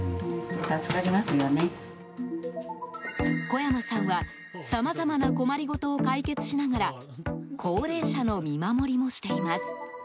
小山さんは、さまざまな困りごとを解決しながら高齢者の見守りもしています。